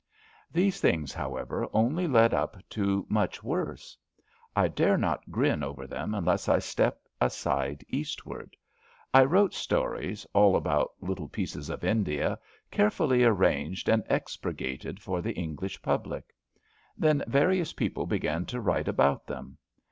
These things, however, only led up to much worse. I dare not grin over them unless I step aside Eastward. I wrote stories, all about little pieces of India, carefully arranged and expurgated 2^ ABAFT THE FUNNEL for the English public. Then various people began to write about them.